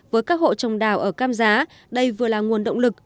với các hộ trồng đào ở cam giá đây vừa là nguồn động lực